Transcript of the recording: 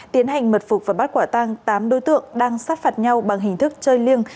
tiến hành mật phục và bắt quả tang tám đối tượng đang sát phạt nhau bằng hình thức chơi liêng